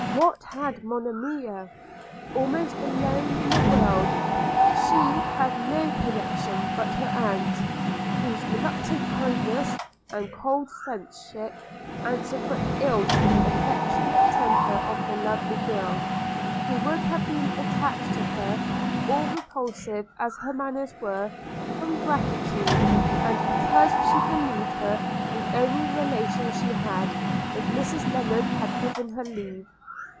what had Monimia? Almost alone in the world, she had no connection but her aunt, whose reluctant kindness and cold friendship answered but ill to the affectionate temper of the lovely girl, who would have been attached to her, all repulsive as her manners were, from gratitude, and because she believed her the only relation she had, if Mrs Lennard had given her leave.